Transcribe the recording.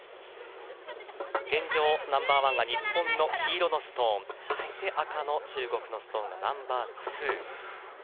現状、ナンバーワンは日本の黄色のストーン、そして赤の中国のストーンがナンバーツー。